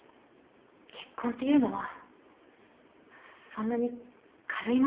結婚っていうのはそんなに軽いものじゃありません。